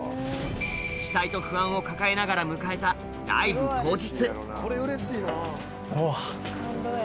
期待と不安を抱えながら迎えた全然。